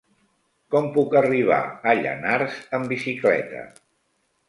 Com puc arribar a Llanars amb bicicleta?